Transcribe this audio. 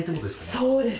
そうです。